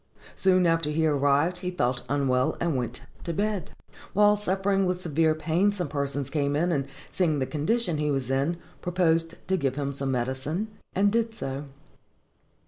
Soon after he arrived he felt unwell, and went to bed. While suffering with severe pain, some persons came in, and, seeing the condition he was in, proposed to give him some medicine, and did so.